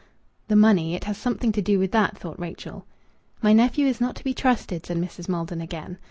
"The money it has something to do with that!" thought Rachel. "My nephew is not to be trusted," said Mrs. Maldon again.